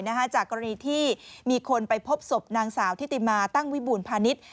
จากกรณีที่มีคนไปพบศพนางสาวทิติมาตั้งวิบูรพาณิชย์